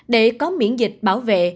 để có miễn dịch bảo vệ